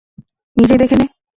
নিজেই দেখে নে।